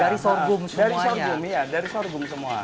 dari sorghum iya dari sorghum semua